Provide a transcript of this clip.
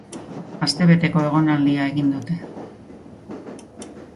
Astebeteko egonaldia egin dute.